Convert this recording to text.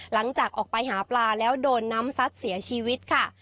หลังจากออกไปหาปลาแล้วโดนน้ำซัดเสียชีวิตค่ะ